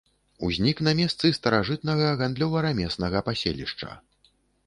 Узнік на месцы старажытнага гандлёва-рамеснага паселішча.